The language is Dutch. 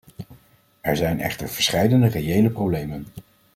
Er zijn echter verscheidene reële problemen.